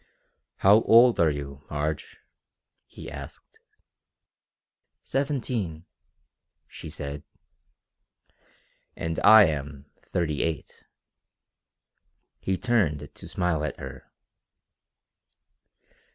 "How old are you, Marge?" he asked. "Seventeen," she said. "And I am thirty eight." He turned to smile at her.